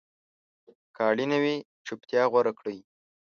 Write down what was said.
که اړینه وي، چپتیا غوره کړئ.